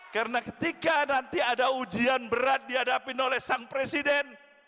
karena ketika nanti ada ujian berat dihadapi oleh sang presiden